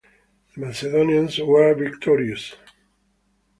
The Macedonians were victorious.